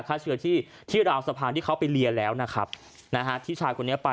โควิดมันไม่เทเนอะ